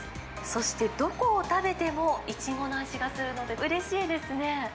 そしてどこを食べてもいちごの味がするので、うれしいですね。